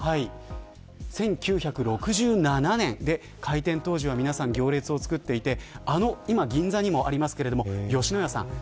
１９６７年開店当時は皆さん行列を作っていて今、銀座にもありますけれどもヨシノヤさん。